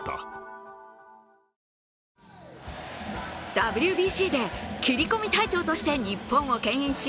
ＷＢＣで切り込み隊長として日本をけん引し、